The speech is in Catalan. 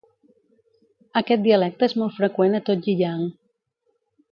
Aquest dialecte és molt freqüent a tot Yiyang.